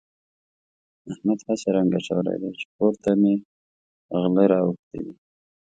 احمد هسې رنګ اچولی دی چې کور ته مې غله راوښتي دي.